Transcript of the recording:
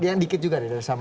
yang dikit juga dari samara